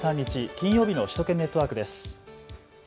金曜日の首都圏ネットワークです。